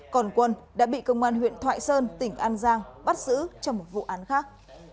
còn quân đã bị cơ quan huyện thoại sơn tỉnh an giang bắt giữ trong một vụ án khác